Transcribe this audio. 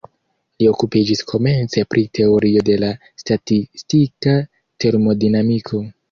Li okupiĝis komence pri teorio de la statistika termodinamiko.